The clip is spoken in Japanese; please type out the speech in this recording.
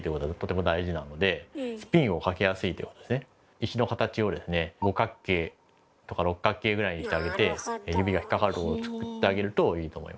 石の形をですね五角形とか六角形ぐらいにしてあげて指が引っかかるところを作ってあげるといいと思いますね。